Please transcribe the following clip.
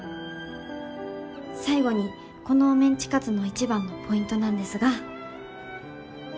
最後にこのメンチカツの一番のポイントなんですが。